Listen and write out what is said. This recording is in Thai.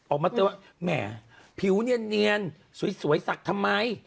ออกมาเตือนว่าแหมผิวเนียนสวยสักทำไม